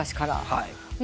はい。